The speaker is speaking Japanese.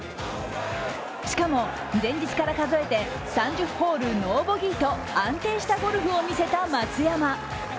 しかも、前日から数えて３０ホールノーボギーと安定したゴルフを見せた松山。